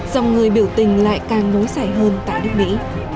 dòng người biểu tình lại càng nối xảy hơn tại nước mỹ